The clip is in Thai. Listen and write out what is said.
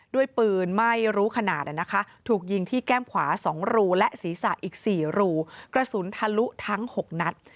ด้วยปืนไม่รู้ขนาดนะคะถูกยิงที่แก้มขวา๒รูและศีรษะอีก๔รูกระสุนทะลุทั้ง๖นัด